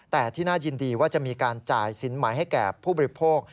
แต่ที่น่ายินดีว่าจะมีการจ่ายสินใหม่ให้แก่ผู้บริโภค